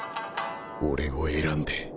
俺を選んで